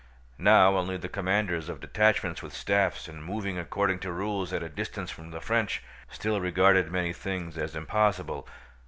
Now only the commanders of detachments with staffs, and moving according to rules at a distance from the French, still regarded many things as impossible.